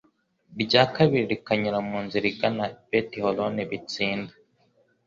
rya kabiri rikanyura mu nzira igana i beti horoni b itsinda